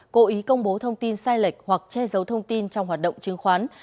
cố ý công bố thông tin sai lệch hoặc che giấu thông tin trong hoạt động chứng khoán